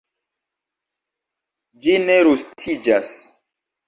Ĝi ne rustiĝas.